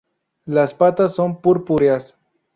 Las patas son purpúreas.